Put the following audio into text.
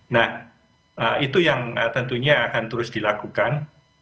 nah itu yang tentunya akan terus dilakukan